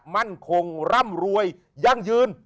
มั่นคงร่ำรวยยั่งยืน